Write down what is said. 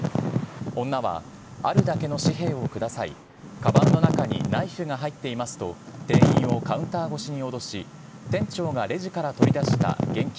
女は、あるだけの紙幣をください、かばんの中にナイフが入っていますと、店員をカウンター越しに脅し、店長がレジから取り出した現金